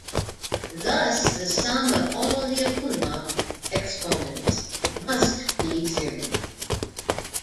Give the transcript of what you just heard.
Thus the sum of all Lyapunov exponents must be zero.